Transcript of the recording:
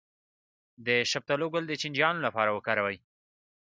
د شفتالو ګل د چینجیانو لپاره وکاروئ